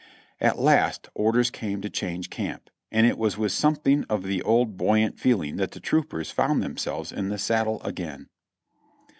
At last orders came to change camp ; and it was with some thing of the old buoyant feeling that the troopers found them selves in the saddle again.